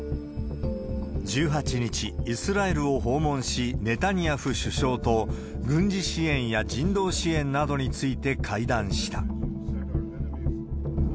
１８日、イスラエルを訪問し、ネタニヤフ首相と軍事支援や人道支援などについて会談した。